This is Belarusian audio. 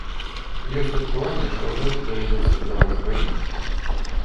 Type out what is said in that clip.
Ёсць адчуванне, што аднойчы давядзецца выдаваць двайнік.